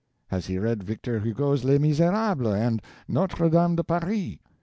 Has he read Victor Hugo's 'Les Miserables' and 'Notre Dame de Paris'?